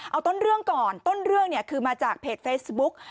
เอาต้นเรื่องก่อนต้นเรื่องเนี่ยคือมาจากเพจเฟซบุ๊ก